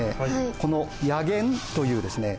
この薬研というですね